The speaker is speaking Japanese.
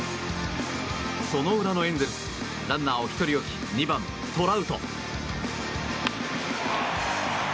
その裏のエンゼルスランナーを１人置き２番トラウト。